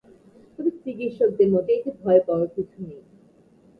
তবে, চিকিৎসকদের মতে এতে ভয় পাওয়ার মতো কিছু নেই।